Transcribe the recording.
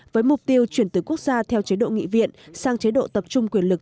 với mục tiêu chuyển từ quốc gia theo chế độ nghị viện sang chế độ tập trung quyền lực